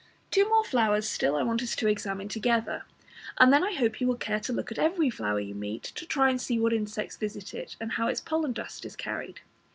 Two more flowers still I want us to examine together, and then I hope you will care to look at every flower you meet, to try and see what insects visit it, and how its pollen dust is carried.